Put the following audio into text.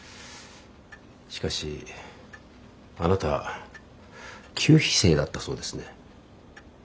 しかしあなたは給費生だったそうですね。